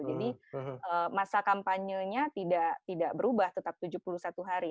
jadi masa kampanye nya tidak berubah tetap tujuh puluh satu hari